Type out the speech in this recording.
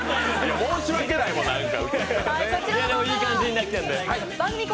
申し訳ないもん、何か。